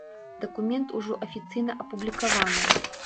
Дакумент ужо афіцыйна апублікаваны.